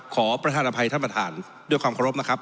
ขอประธานอภัยท่านประธานด้วยความเคารพนะครับ